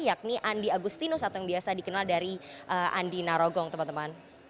yakni andi agustinus atau yang biasa dikenal dari andi narogong teman teman